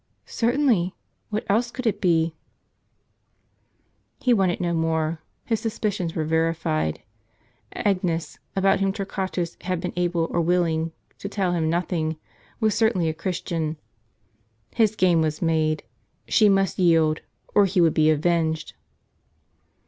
" Certainly ; wdiat else could it be ?" He wanted no more ; his suspicions were verified. Agnes, about whom Torquatus had been able or willing to tell him nothing, was certainly a Christian. His game was made. She must yield, or he would be avenged.